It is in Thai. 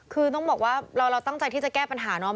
คือต้องบอกว่าเราตั้งใจที่จะแก้ปัญหาเนาะ